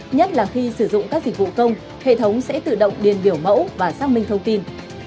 nhất là khi sử dụng các dịch vụ công hệ thống sẽ tự động điền biểu mẫu và xác minh thông tin